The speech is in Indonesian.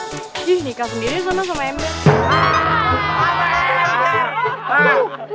nih nikah sendiri sama sama emil